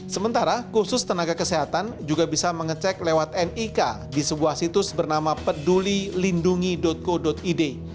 sementara khusus tenaga kesehatan juga bisa mengecek lewat nik di sebuah situs bernama peduli lindungi co id